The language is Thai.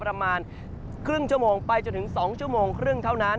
ประมาณครึ่งชั่วโมงไปจนถึง๒ชั่วโมงครึ่งเท่านั้น